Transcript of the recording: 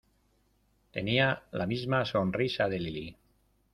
tenía la misma sonrisa de Lilí.